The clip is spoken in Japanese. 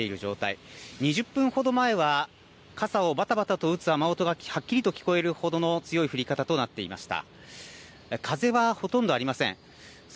今のは降り方が弱まっている状態、２０分ほど前は傘をばたばたと打つ雨音がはっきりと聞こえるほどの強い降り方となっていました。